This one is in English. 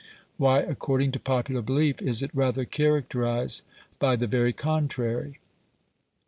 Why, according to popular belief is it rather characterised by the very contrary?